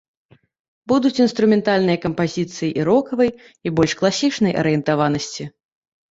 Будуць інструментальныя кампазіцыі і рокавай, і больш класічнай арыентаванасці.